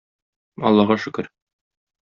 Аллага шөкер.